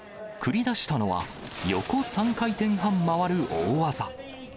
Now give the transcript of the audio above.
繰り出したのは横３回転半回る大技。